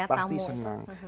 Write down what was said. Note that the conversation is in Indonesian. pasti senang ya tamu